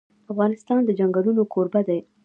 افغانستان د چنګلونه کوربه دی.